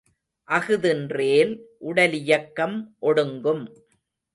அஃதின்றேல் உடலியக்கம் ஒடுங்கும்.